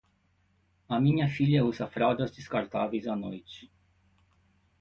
A minha filha usa fraldas descartáveis à noite.